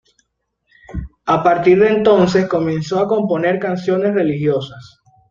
A partir de entonces comenzó a componer canciones religiosas.